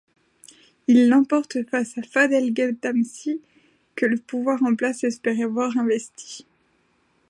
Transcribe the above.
Il l'emporte face à Fadhel Ghedamsi, que le pouvoir en place espérait voir investi.